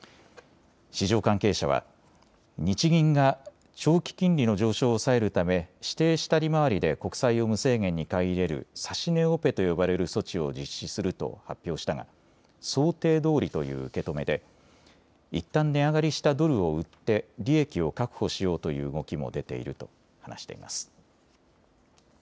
市場関係者は日銀が長期金利の上昇を抑えるため指定した利回りで国債を無制限に買い入れる指値オペと呼ばれる措置を実施すると発表したが想定どおりという受け止めでいったん値上がりしたドルを売って利益を確保しようという動きも出ていると話しています。